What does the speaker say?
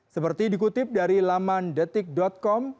seperti dikutip dari laman detik com